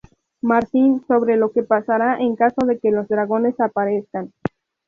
Martin sobre lo que pasará en caso de que los dragones aparezcan.